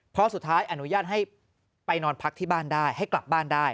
เพราะสุดท้ายอนุญาตให้ไปนอนพักที่บ้านได้ให้กลับบ้านได้